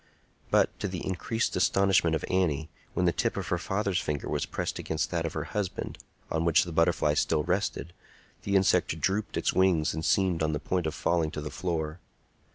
But, to the increased astonishment of Annie, when the tip of her father's finger was pressed against that of her husband, on which the butterfly still rested, the insect drooped its wings and seemed on the point of falling to the floor.